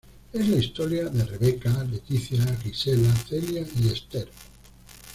Es la historia de Rebeca, Leticia, Gisela, Celia y Esther.